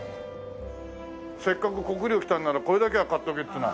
せっかく国領来たんならこれだけは買っとけっていうのは。